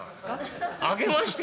「あけまして？」。